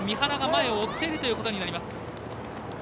京都は、三原が前を追っているということになります。